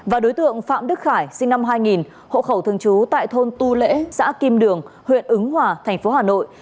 và đối tượng phạm đức khải sinh năm hai nghìn hộ khẩu thường trú tại thôn tu lễ xã kim đường huyện ứng hòa thành phố hà nội